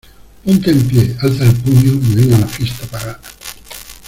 Ponte en pie, alza el puño y ven a la fiesta pagana.